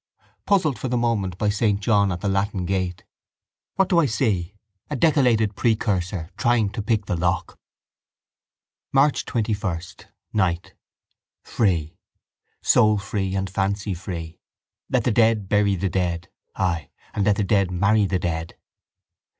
Puzzled for the moment by saint John at the Latin gate. What do I see? A decollated precursor trying to pick the lock. March 21, night. Free. Soul free and fancy free. Let the dead bury the dead. Ay. And let the dead marry the dead.